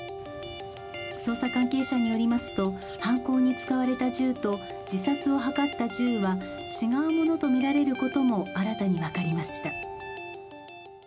捜査関係者によりますと、犯行に使われた銃と自殺を図った銃は違うものとみられることも新たに分かりました。